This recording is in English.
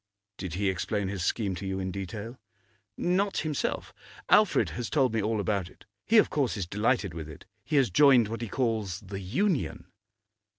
'Did he explain his scheme to you in detail?' 'Not himself. Alfred has told me all about it. He, of course, is delighted with it; he has joined what he calls the Union.